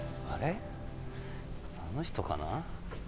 あの人かな？